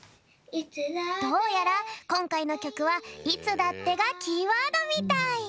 どうやらこんかいのきょくは「いつだって」がキーワードみたい。